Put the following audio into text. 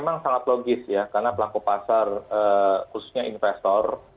memang sangat logis ya karena pelaku pasar khususnya investor